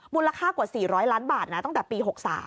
มูลค่ากว่า๔๐๐ล้านบาทนะตั้งแต่ปี๖๓